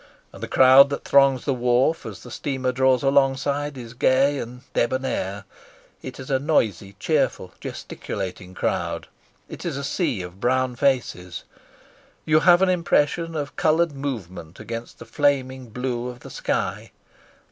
And the crowd that throngs the wharf as the steamer draws alongside is gay and debonair; it is a noisy, cheerful, gesticulating crowd. It is a sea of brown faces. You have an impression of coloured movement against the flaming blue of the sky.